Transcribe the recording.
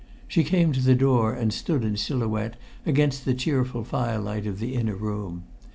She came to the door and stood in silhouette against the cheerful firelight of the inner room.